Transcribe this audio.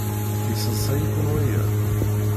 Yesseḍsay-iken waya?